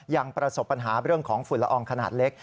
ประสบปัญหาเรื่องของฝุ่นละอองขนาดเล็ก